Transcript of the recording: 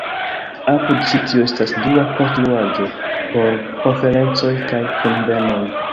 Apud ĉi-tio estas dua konstruaĵo por konferencoj kaj kunvenoj.